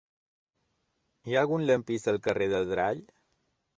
Hi ha algun lampista al carrer d'Adrall?